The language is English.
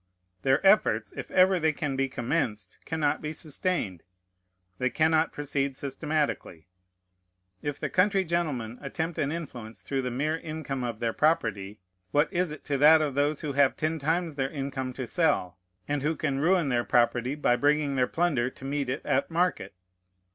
Their efforts, if ever they can be commenced, cannot be sustained. They cannot proceed systematically. If the country gentlemen attempt an influence through the mere income of their property, what is it to that of those who have ten times their income to sell, and who can ruin their property by bringing their plunder to meet it at market?